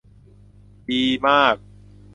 ดีมาก !